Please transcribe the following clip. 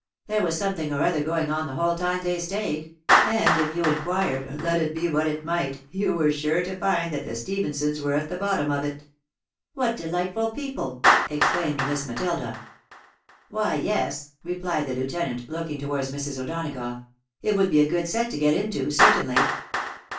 There was something or other going on the whole time they stayed — and if you inquired, let it be what it might, you were sure to find that the Stephensons were at the bottom of it." " What delightful people !" exclaimed Miss Matilda. "Why yes," replied the heutenant, looking towards Mrs. O'Donagough ;" it would be a good set to get into, certainly."